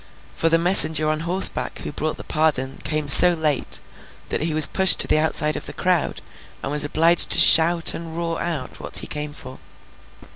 For, the messenger on horseback who brought the pardon, came so late, that he was pushed to the outside of the crowd, and was obliged to shout and roar out what he came for.